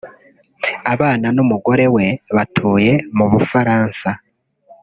abana n’umugore we batuye mu Bufaransa